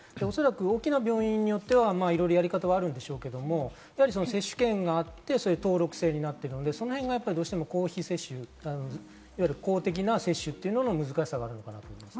大きな病院によっては、いろいろやり方はあるんでしょうけれども、接種券があって登録制になっているので、その辺が公費接種、公的な接種の難しさがあると思います。